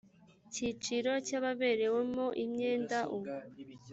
cyiciro cy ababerewemo imyenda uwo